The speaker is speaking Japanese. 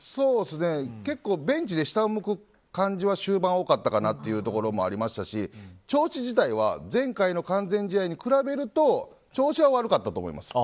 結構ベンチで下を向く感じは終盤多かったかなというところもありましたし調子自体は前回の完全試合に比べると調子は悪かったと思います。